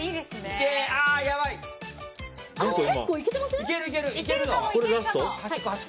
結構いけてません？